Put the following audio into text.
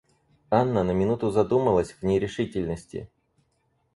Анна на минуту задумалась в нерешительности.